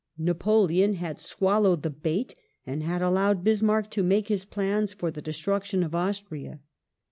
Napoleon had swallowed the bait, and had allowed Bismarck to make his plans for the destruc tion of Austria.